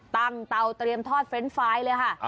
เตาเตรียมทอดเฟรนด์ไฟล์เลยค่ะ